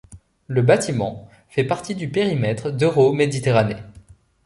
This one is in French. Le bâtiment fait partie du périmètre d'Euroméditerranée.